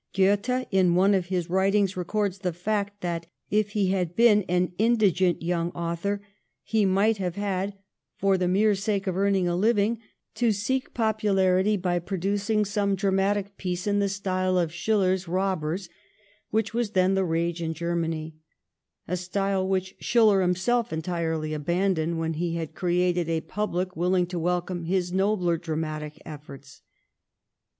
Goethe in one of his writings records the fact that, if he had been an indigent young author, he might have had, for the mere sake of earning a living, to seek popularity by producing some dramatic piece in the style of Schiller's ' Eobbers,' which was then the rage in Germany — a style which Schiller himself entirely abandoned when he had created a public willing to welcome his nobler dramatic efforts.